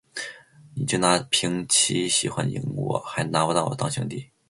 你就拿瓶七喜欢迎我，还拿不拿我当兄弟